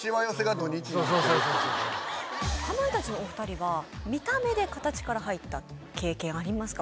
そうそうそうかまいたちのお二人は見た目で形から入った経験ありますか？